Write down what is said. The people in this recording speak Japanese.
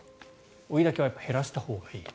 追いだきは減らしたほうがいいよと。